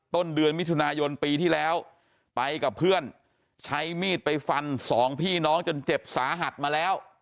ต้นเดือนมิถุนายนปีที่แล้วไปกับเพื่อนใช้มีดไปฟันสองพี่น้องจนเจ็บสาหัสมาแล้ว